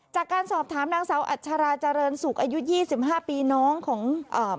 จากการสอบถามนางสาวอัชราเจริญสุขอายุยี่สิบห้าปีน้องของอ่า